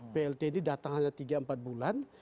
plt ini datang hanya tiga empat bulan